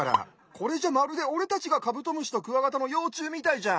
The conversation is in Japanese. これじゃまるでおれたちがカブトムシとクワガタのようちゅうみたいじゃん。